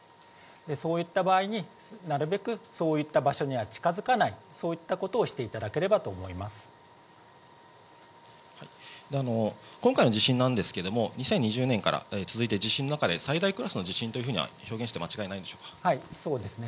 そういった場合に、なるべくそういった場所には近づかない、そういったことをしてい今回の地震なんですけれども、２０２０年から続いている地震の中で、最大クラスの地震というふうには表現して、間違いないんでしょうそうですね。